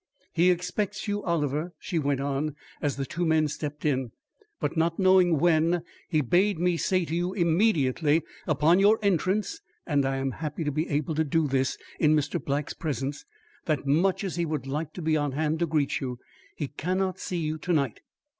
He expects you, Oliver," she went on, as the two men stepped in. "But not knowing when, he bade me say to you immediately upon your entrance (and I am happy to be able to do this in Mr. Black's presence), that much as he would like to be on hand to greet you, he cannot see you to night.